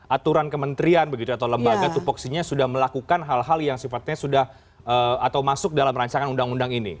aturan kementerian begitu atau lembaga tupoksinya sudah melakukan hal hal yang sifatnya sudah atau masuk dalam rancangan undang undang ini